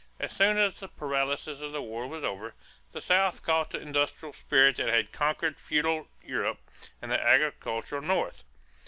As soon as the paralysis of the war was over, the South caught the industrial spirit that had conquered feudal Europe and the agricultural North.